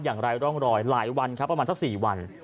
อย่างไร้ร่องรอยหลายวันครับประมาณสัก๔วัน